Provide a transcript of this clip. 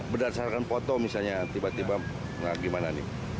berdasarkan foto misalnya tiba tiba gimana nih